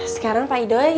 sekarang pak idoi